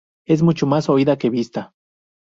Es mucho más oída que vista.